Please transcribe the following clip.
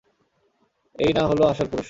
এই না হলো আসল পুরুষ!